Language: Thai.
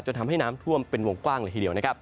จนทำให้น้ำท่วมเป็นวงกว้างเลยทีเดียว